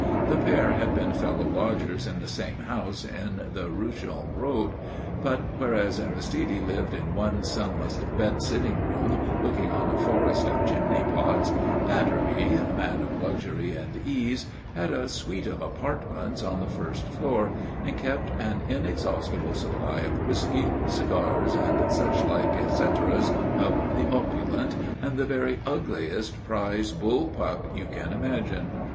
The pair had been fellow lodgers in the same house in the Rusholme Road; but, whereas Aristide lived in one sunless bed sitting room looking on a forest of chimney pots, Batterby, man of luxury and ease, had a suite of apartments on the first floor and kept an inexhaustible supply of whisky, cigars, and such like etceteras of the opulent, and the very ugliest prize bull pup you can imagine.